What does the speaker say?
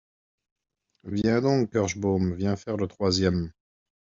Viens donc, Kirschbaum, viens faire le troisième !